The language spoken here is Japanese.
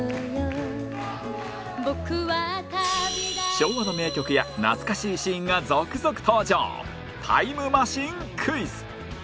昭和の名曲や懐かしいシーンが続々登場タイムマシンクイズ